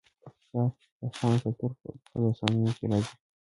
پکتیا د افغان کلتور په داستانونو کې راځي.